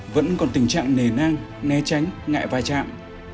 vẫn còn tình trạng nề nang né tránh ngại vai trạm